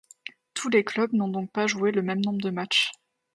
Tous les clubs n’ont donc pas joué le même nombre de matchs.